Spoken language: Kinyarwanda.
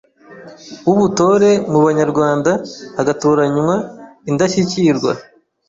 w’ubutore mu Banyarwanda hagatoranywa indashyikirwa